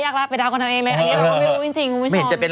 ยากแล้วไปดาวกันเองเลยเออไม่รู้จริงจริงไม่ชอบไม่เห็นจะเป็น